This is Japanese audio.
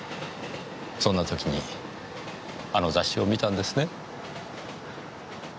そんな時にあの雑誌を見たんですね？